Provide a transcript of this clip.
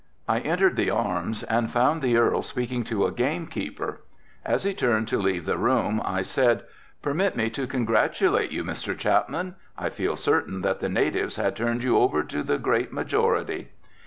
I entered the Arms and found the Earl speaking to a game keeper. As he turned to leave the room, I said: "Permit me to congratulate you, Mr. Chapman, I felt certain that the natives had turned you over to the great majority."